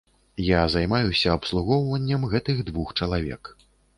Я займаюся абслугоўваннем гэтых двух чалавек.